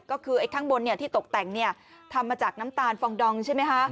ก็คือไอ้ข้างบนที่ตกแต่งทำมาจากน้ำตาลฟองดองใช่ไหมคะ